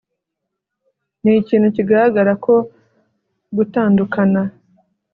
ni ikintu kigaragara ko gutandukana